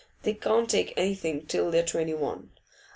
They can't take anything till they're twenty one.